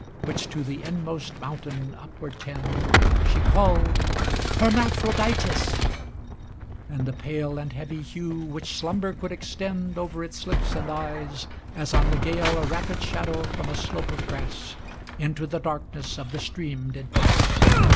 Which to the inmost mountain upward tend. She called ' Hermaphroditus !' and the pale And heavy hue which slumber could extend Over its lips and eyes, as on the gale A rapid shadow from a slope of grass, Into the darkness of the stream did pass.